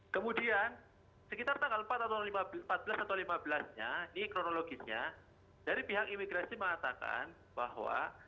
kemudian sekitar tanggal empat atau empat belas atau lima belas nya ini kronologisnya dari pihak imigrasi mengatakan bahwa